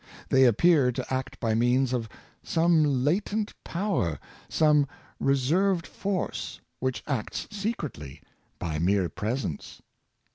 They appear to act by means of some latent power, some reserved force, which acts se cretly, by mere presence.